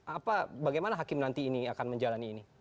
apa bagaimana hakim nanti ini akan menjalani ini